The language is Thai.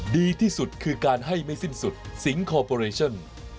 ดีที่สุดคือการให้ไม่สิ้นสุดสิงคอร์ปอเรชั่น